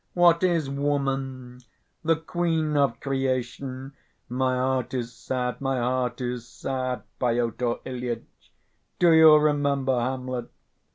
What is woman? The queen of creation! My heart is sad, my heart is sad, Pyotr Ilyitch. Do you remember Hamlet?